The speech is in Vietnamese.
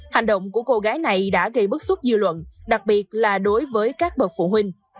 hành động của cô gái này đã gây bức xúc dư luận đặc biệt là đối với các bậc phụ huynh